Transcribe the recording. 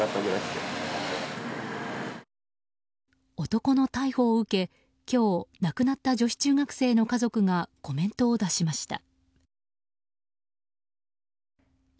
男の逮捕を受け、今日亡くなった女子中学生の家族がコメントを出しました。